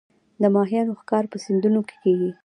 د ماهیانو ښکار په سیندونو کې کیږي